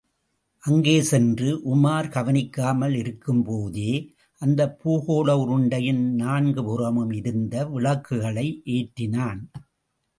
அங்கே சென்று, உமார் கவனிக்காமல் இருக்கும்போதே, அந்தப் பூகோள உருண்டையின் நான்கு புறமும் இருந்த விளக்குகளை ஏற்றினான்.